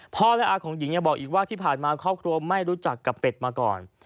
และอาของหญิงยังบอกอีกว่าที่ผ่านมาครอบครัวไม่รู้จักกับเป็ดมาก่อน